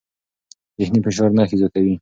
ذهني فشار نښې زیاتوي.